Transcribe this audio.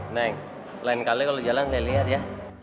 neng lain kali kalo jalan liat liat ya